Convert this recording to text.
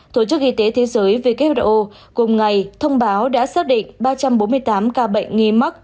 tổ chức y tế thế giới who cùng ngày thông báo đã xác định ba trăm bốn mươi tám ca bệnh nghi mắc